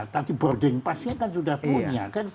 tadi boarding pass nya kan sudah punya